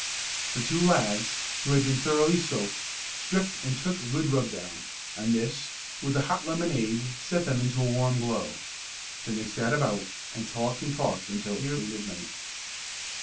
The two lads, who had been thoroughly soaked, stripped and took a good rub down, and this, with the hot lemonade, set them into a warm glow. Then they sat about and talked and talked until nearly midnight.